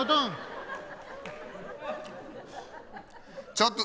ちょっと。